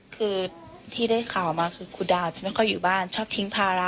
คือที่ได้ข่าวมาคือครูดาวจะไม่ค่อยอยู่บ้านชอบทิ้งภาระ